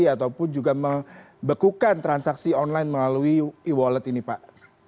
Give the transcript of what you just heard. ataupun juga membekukan transaksi online melalui e wallet ini pak